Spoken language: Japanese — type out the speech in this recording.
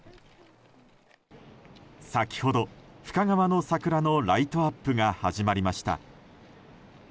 先ほど、深川の桜のライトアップが始まりました。